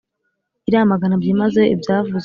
iramagana byimazeyo ibyavuzwe